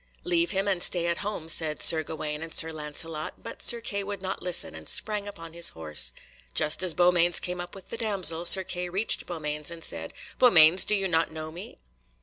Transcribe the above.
"Leave him and stay at home," said Sir Gawaine and Sir Lancelot, but Sir Kay would not listen and sprang upon his horse. Just as Beaumains came up with the damsel, Sir Kay reached Beaumains, and said, "Beaumains, do you not know me?"